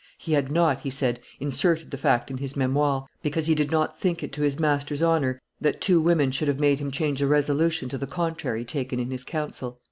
"He had not," he said, "inserted the fact in his Memoires, because he did not think it to his master's honor that two women should have made him change a resolution to the contrary taken in his council."